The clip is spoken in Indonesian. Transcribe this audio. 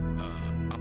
apa kamu mau membuktikan